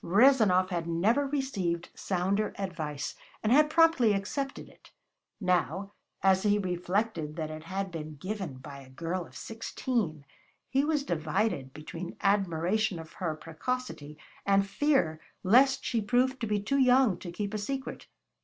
Rezanov had never received sounder advice, and had promptly accepted it. Now, as he reflected that it had been given by a girl of sixteen, he was divided between admiration of her precocity and fear lest she prove to be too young to keep a secret.